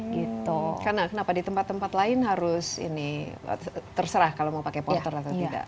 karena kenapa di tempat tempat lain harus terserah kalau mau pakai porter atau tidak